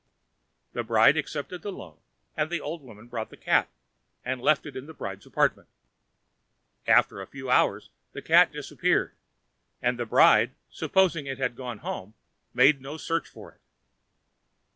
The bride accepted the loan, and the old woman brought the cat, and left it in the bride's apartment. After a few hours the cat disappeared, and the bride, supposing it to have gone home, made no search for it.